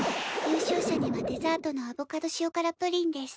優勝者にはデザートのアボカド塩辛プリンです。